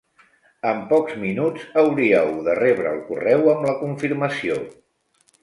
En pocs minuts hauríeu de rebre el correu amb la confirmació.